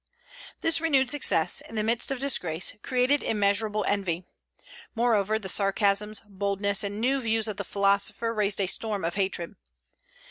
This renewed success, in the midst of disgrace, created immeasurable envy. Moreover, the sarcasms, boldness, and new views of the philosopher raised a storm of hatred.